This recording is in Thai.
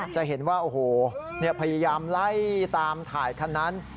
จะเห็นว่าโอ้โหพยายามไล่ตามถ่ายคันนั้น